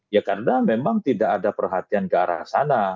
ya karena memang tidak ada perhatian ke arah sana